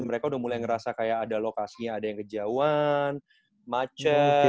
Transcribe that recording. mereka udah mulai ngerasa kayak ada lokasinya ada yang kejauhan macet